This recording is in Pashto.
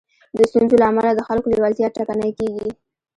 د ستونزو له امله د خلکو لېوالتيا ټکنۍ کېږي.